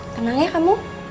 tenang ya kamu